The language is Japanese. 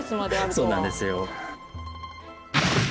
そうなんですよ。